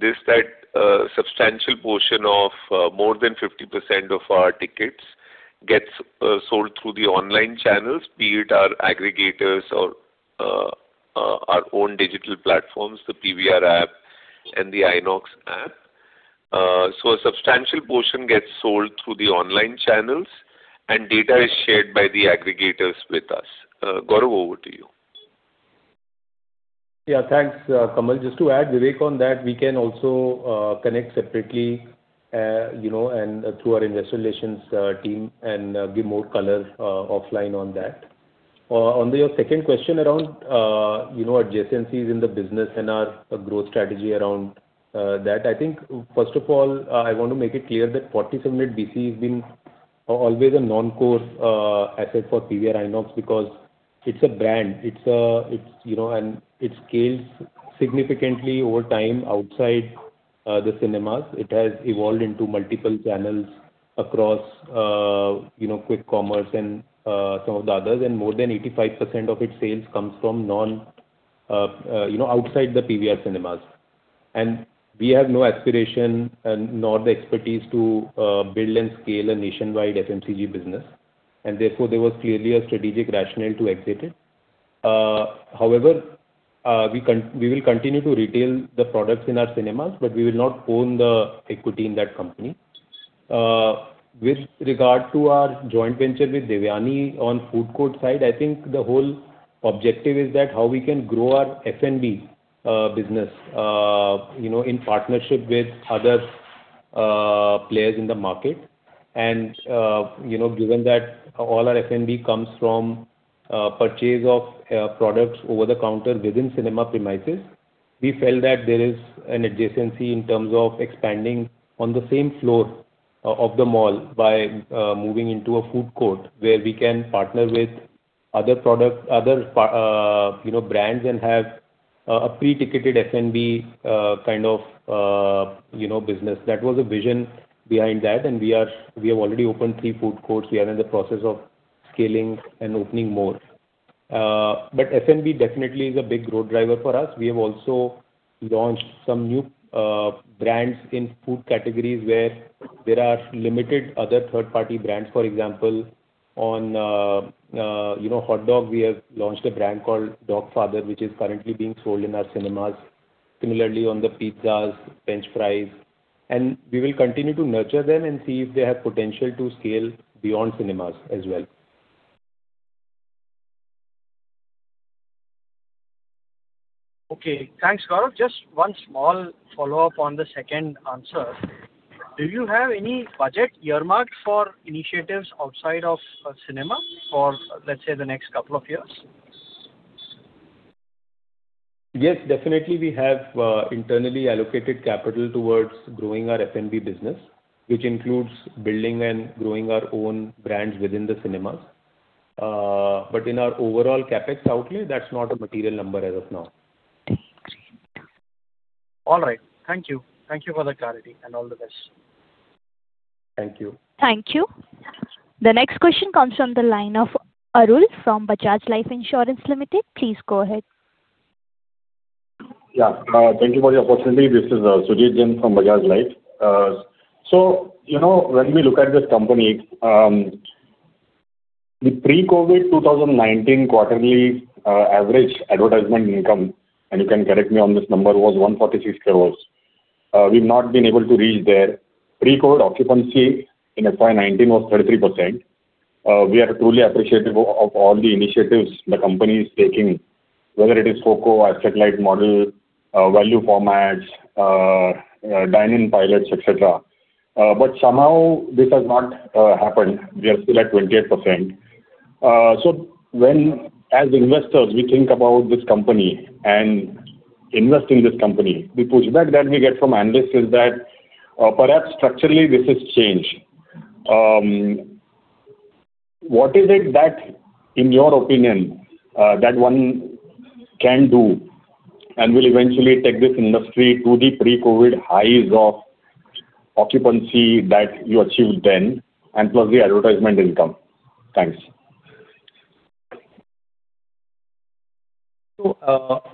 this, that substantial portion of more than 50% of our tickets gets sold through the online channels, be it our aggregators or our own digital platforms, the PVR app and the INOX app. So a substantial portion gets sold through the online channels, and data is shared by the aggregators with us. Gaurav, over to you.
Yeah, thanks, Kamal. Just to add, Vivek, on that, we can also connect separately, you know, and through our investor relations team and give more colors offline on that. On your second question around, you know, adjacencies in the business and our growth strategy around that, I think, first of all, I want to make it clear that 4700BC has been always a non-core asset for PVR INOX because it's a brand. It's a - it's, you know, and it scales significantly over time outside the cinemas. It has evolved into multiple channels across, you know, quick commerce and some of the others. And more than 85% of its sales comes from non, you know, outside the PVR cinemas. We have no aspiration and nor the expertise to build and scale a nationwide FMCG business, and therefore, there was clearly a strategic rationale to exit it. However, we will continue to retail the products in our cinemas, but we will not own the equity in that company. With regard to our joint venture with Devyani on food court side, I think the whole objective is that how we can grow our F&B business, you know, in partnership with other players in the market. You know, given that all our F&B comes from purchase of products over the counter within cinema premises, we felt that there is an adjacency in terms of expanding on the same floor of the mall by moving into a food court, where we can partner with other products, other pa... You know, brands and have a pre-ticketed F&B, kind of, you know, business. That was the vision behind that, and we have already opened three food courts. We are in the process of scaling and opening more. But F&B definitely is a big growth driver for us. We have also launched some new brands in food categories where there are limited other third-party brands. For example, on, you know, hot dog, we have launched a brand called Dogfather, which is currently being sold in our cinemas. Similarly, on the pizzas, French fries, and we will continue to nurture them and see if they have potential to scale beyond cinemas as well.
Okay, thanks, Gaurav. Just one small follow-up on the second answer. Do you have any budget earmarked for initiatives outside of cinema for, let's say, the next couple of years?
Yes, definitely, we have internally allocated capital towards growing our F&B business, which includes building and growing our own brands within the cinemas. But in our overall CapEx outlay, that's not a material number as of now.
All right. Thank you. Thank you for the clarity, and all the best.
Thank you.
Thank you. The next question comes from the line of Arul from Bajaj Allianz Life Insurance. Please go ahead.
Yeah, thank you for the opportunity. This is Sujit Jain from Bajaj Life. So, you know, when we look at this company, the pre-COVID 2019 quarterly average advertisement income, and you can correct me on this number, was 146 crore. We've not been able to reach there. Pre-COVID occupancy in FY 2019 was 33%. We are truly appreciative of all the initiatives the company is taking, whether it is FOCO, asset-light model, value formats, dine-in pilots, et cetera. But somehow this has not happened. We are still at 28%. So when, as investors, we think about this company and invest in this company, the pushback that we get from analysts is that, perhaps structurally this is change. What is it that, in your opinion, that one can do and will eventually take this industry to the pre-COVID highs of occupancy that you achieved then, and plus the advertisement income? Thanks.
So,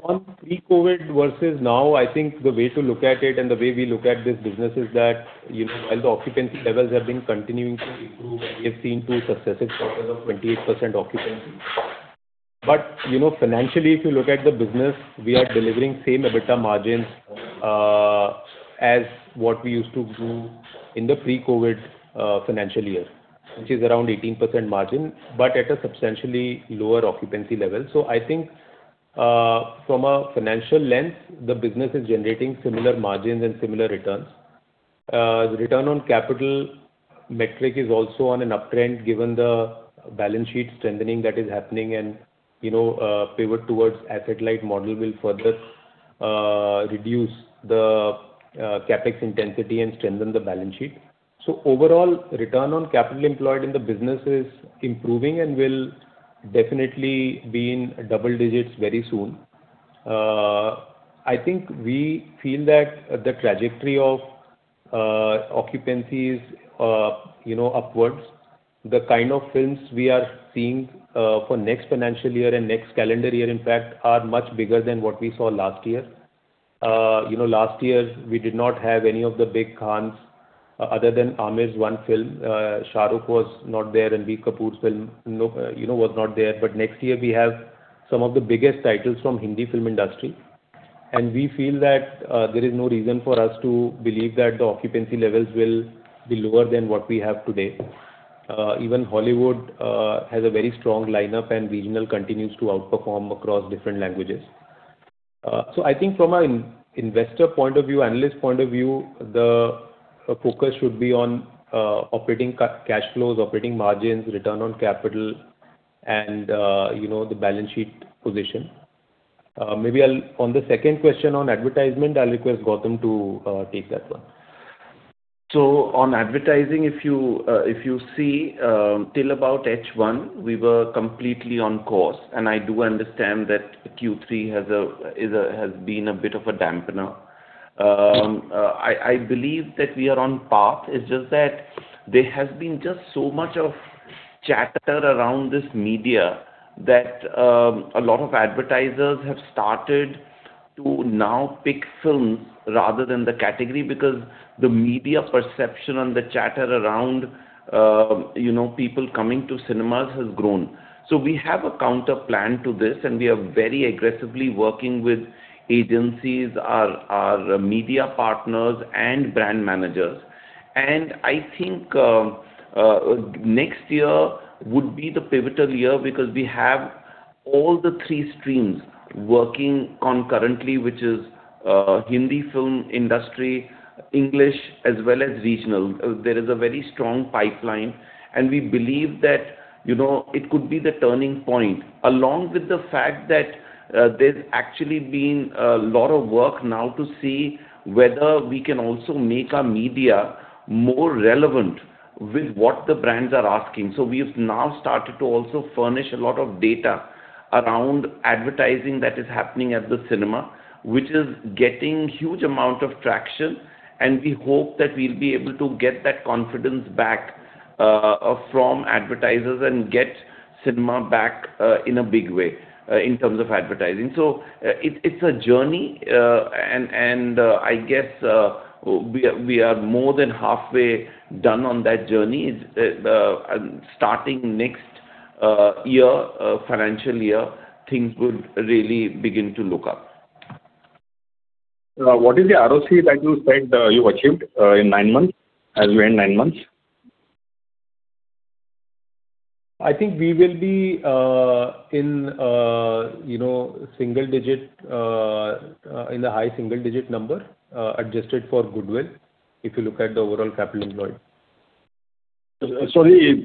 on pre-COVID versus now, I think the way to look at it and the way we look at this business is that, you know, while the occupancy levels have been continuing to improve, and we have seen two successive quarters of 28% occupancy. But, you know, financially, if you look at the business, we are delivering same EBITDA margins as what we used to do in the pre-COVID financial year, which is around 18% margin, but at a substantially lower occupancy level. So I think, from a financial lens, the business is generating similar margins and similar returns. The return on capital metric is also on an uptrend, given the balance sheet strengthening that is happening, and, you know, pivot towards asset-light model will further reduce the CapEx intensity and strengthen the balance sheet. So overall, return on capital employed in the business is improving and will definitely be in double digits very soon. I think we feel that the trajectory of, occupancies are, you know, upwards. The kind of films we are seeing, for next financial year and next calendar year, in fact, are much bigger than what we saw last year. You know, last year we did not have any of the big Khans, other than Aamir's one film. Shah Rukh was not there, Ranbir Kapoor's film, no, you know, was not there. But next year we have some of the biggest titles from Hindi film industry, and we feel that, there is no reason for us to believe that the occupancy levels will be lower than what we have today. Even Hollywood has a very strong lineup, and regional continues to outperform across different languages. So I think from an investor point of view, analyst point of view, the focus should be on operating cash flows, operating margins, return on capital, and, you know, the balance sheet position. Maybe I'll. On the second question, on advertisement, I'll request Gautam to take that one.
So on advertising, if you, if you see, till about H1, we were completely on course, and I do understand that Q3 has been a bit of a dampener. I believe that we are on path. It's just that there has been just so much of chatter around this media that a lot of advertisers have started to now pick films rather than the category, because the media perception and the chatter around, you know, people coming to cinemas has grown. So we have a counter plan to this, and we are very aggressively working with agencies, our media partners and brand managers. And I think next year would be the pivotal year, because we have all the three streams working concurrently, which is Hindi film industry, English, as well as regional. There is a very strong pipeline, and we believe that, you know, it could be the turning point, along with the fact that, there's actually been a lot of work now to see whether we can also make our media more relevant with what the brands are asking. So we have now started to also furnish a lot of data around advertising that is happening at the cinema, which is getting huge amount of traction, and we hope that we'll be able to get that confidence back, from advertisers and get cinema back, in a big way, in terms of advertising. So, it's a journey, and I guess we are more than halfway done on that journey. Starting next financial year, things would really begin to look up.
What is the ROC that you said you achieved in nine months, as we end nine months?
I think we will be in, you know, single digit in the high single digit number, adjusted for goodwill, if you look at the overall capital employed.
Sorry,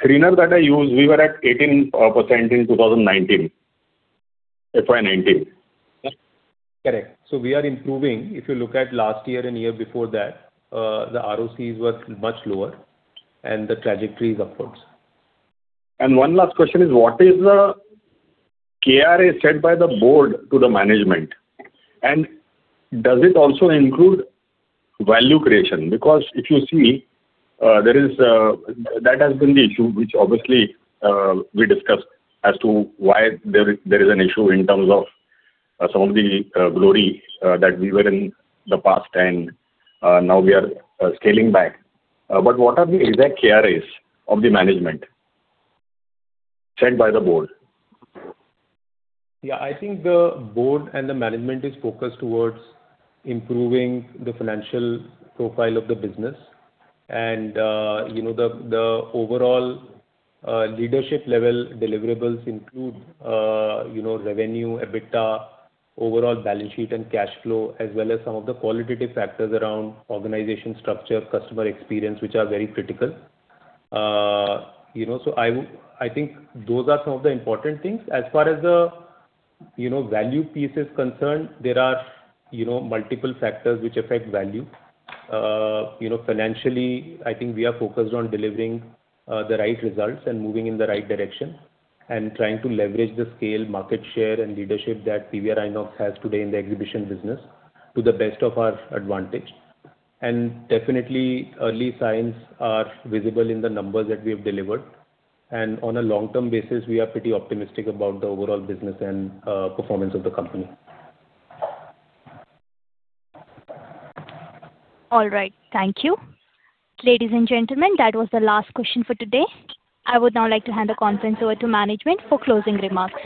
Screener that I used, we were at 18% in 2019. FY 2019.
Correct. So we are improving. If you look at last year and year before that, the ROCs were much lower and the trajectory is upwards.
One last question is, what is the KRA set by the board to the management? Does it also include value creation? Because if you see, that has been the issue, which obviously we discussed as to why there is an issue in terms of some of the glory that we were in the past and now we are scaling back. But what are the exact KRAs of the management, set by the board?
Yeah, I think the board and the management is focused towards improving the financial profile of the business. You know, the overall leadership level deliverables include you know, revenue, EBITDA, overall balance sheet and cash flow, as well as some of the qualitative factors around organization structure, customer experience, which are very critical. You know, so I think those are some of the important things. As far as the you know, value piece is concerned, there are you know, multiple factors which affect value. You know, financially, I think we are focused on delivering the right results and moving in the right direction, and trying to leverage the scale, market share, and leadership that PVR INOX has today in the exhibition business to the best of our advantage. And definitely, early signs are visible in the numbers that we have delivered. On a long-term basis, we are pretty optimistic about the overall business and performance of the company.
All right. Thank you. Ladies and gentlemen, that was the last question for today. I would now like to hand the conference over to management for closing remarks.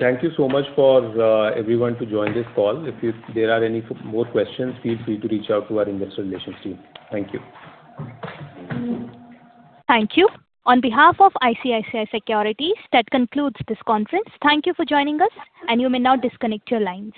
Thank you so much for everyone to join this call. If there are any more questions, feel free to reach out to our investor relations team. Thank you.
Thank you. On behalf of ICICI Securities, that concludes this conference. Thank you for joining us, and you may now disconnect your lines.